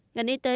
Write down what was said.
ngành y tế